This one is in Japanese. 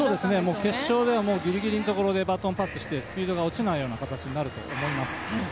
決勝ではギリギリのところでバトンパスしてスピードが落ちないような形になると思います。